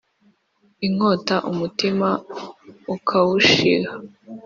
inkota umutima ukawushiha